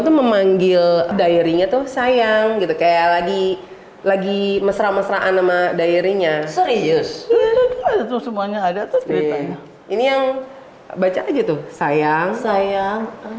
lagi lagi mesra mesraan nama daerinya serius semuanya ada ini yang baca gitu sayang sayang